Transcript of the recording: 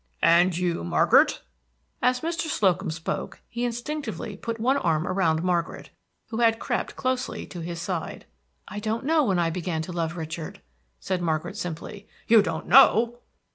"And you, Margaret?" As Mr. Slocum spoke he instinctively put one arm around Margaret, who had crept closely to his side. "I don't know when I began to love Richard," said Margaret simply. "You don't know!"